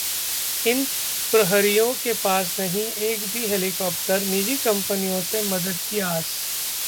इन प्रहरियों के पास नहीं एक भी हेलीकॉप्टर, निजी कंपनियों से मदद की आस